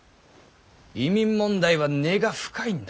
移民問題は根が深いんだ。